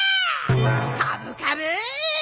カブカブ！